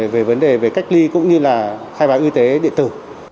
về vấn đề về cách ly cũng như là khai báo y tế điện tử